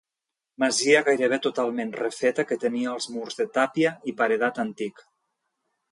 Masia gairebé totalment refeta, que tenia els murs de tàpia i paredat antic.